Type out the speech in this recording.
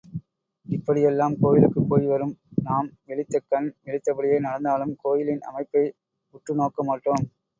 இப்படியெல்லாம் கோயிலுக்குப் போய் வரும் நாம் விழித்த கண் விழித்தபடியே நடந்தாலும் கோயிலின் அமைப்பை உற்று நோக்கமாட்டோம்.